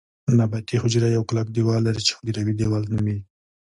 نباتي حجره یو کلک دیوال لري چې حجروي دیوال نومیږي